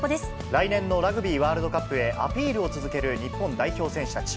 来年のラグビーワールドカップへアピールを続ける日本代表選手たち。